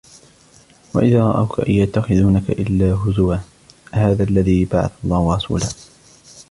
وَإِذَا رَأَوْكَ إِنْ يَتَّخِذُونَكَ إِلَّا هُزُوًا أَهَذَا الَّذِي بَعَثَ اللَّهُ رَسُولًا